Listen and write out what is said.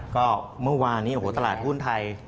ก็เมื่อวานนี้โอ้โหตลาดหุ้นไทย